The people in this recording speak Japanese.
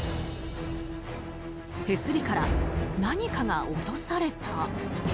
手すりから何かが落とされた？